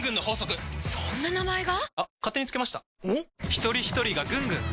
ひとりひとりがぐんぐん！